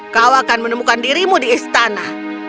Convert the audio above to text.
kau akan menemukan dirimu di istana